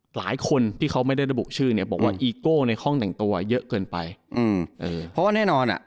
หลายคนที่เขาไม่ได้ระบุชื่อบอกว่า